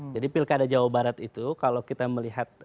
jadi pilkada jawa barat itu kalau kita melihat